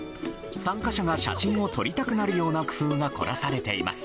参加者が写真を撮りたくなるような工夫が凝らされています。